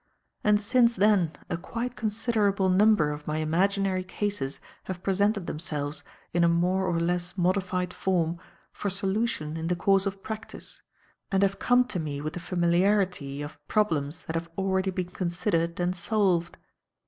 And since then a quite considerable number of my imaginary cases have presented themselves, in a more or less modified form, for solution in the course of practice, and have come to me with the familiarity of problems that have already been considered and solved.